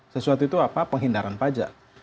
sesuatu itu apa penghindaran pajak